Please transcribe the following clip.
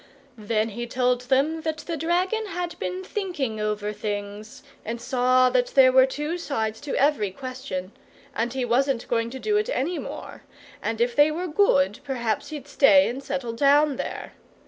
Then he told them that the dragon had been thinking over things, and saw that there were two sides to every question, and he wasn't going to do it any more, and if they were good perhaps he'd stay and settle down there.